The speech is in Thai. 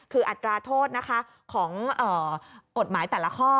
คืออัตราโทษนะคะของกฎหมายแต่ละข้อ